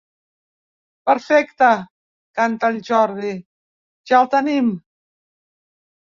Perfecte —canta el Jordi—, ja el tenim.